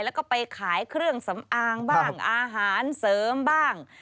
แล้วก็ไปขายเครื่องสำอางบ้างอาหารเสริมบ้าง